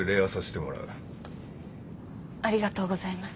ありがとうございます。